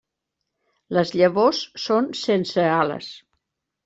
Les llavors són sense ales.